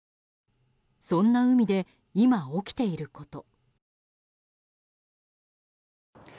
そんな海で、今起きていること。